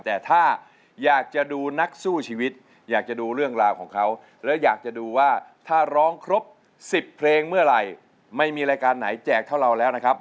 แต่ถ้าอยากจะดูนักสู้ชีวิตอยากจะดูเรื่องราวของเขาแล้วอยากจะดูว่าถ้าร้องครบ๑๐เพลงเมื่อไหร่ไม่มีรายการไหนแจกเท่าเราแล้วนะครับ